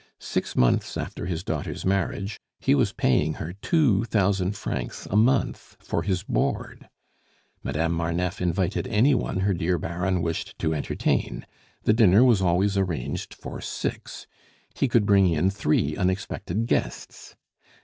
Six months after his daughter's marriage he was paying her two thousand francs a month for his board. Madame Marneffe invited any one her dear Baron wished to entertain. The dinner was always arranged for six; he could bring in three unexpected guests.